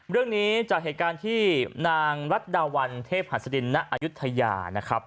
เรื่องนี้จากเหตุการณ์ที่นางรัฐดาวันเทพหัสดินณอายุทยานะครับ